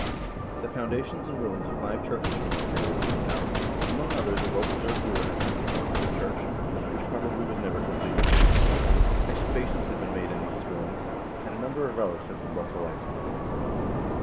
The foundations and ruins of five churches from this period have been found, among others a well preserved ruin at Kakortok of a church, which, probably, was never completed. Ex cavations have been made in these ruins, and a number of relics have been brought to light.